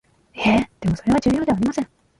ええ、でもそれは重要ではありません